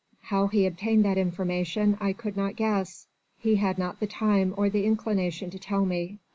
How he obtained that information I could not guess ... he had not the time or the inclination to tell me.